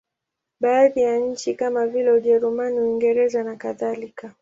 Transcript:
Baadhi ya nchi kama vile Ujerumani, Uingereza nakadhalika.